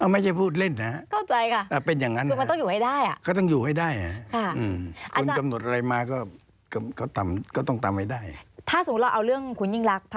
ไม่ใช่พูดเล่นนะ